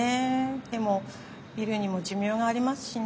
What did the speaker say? でもビルにも寿命がありますしね。